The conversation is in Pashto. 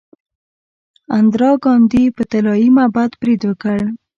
اندرا ګاندي په طلایی معبد برید وکړ.